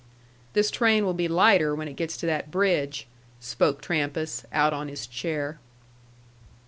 "This train will be lighter when it gets to that bridge," spoke Trampas, out on his chair.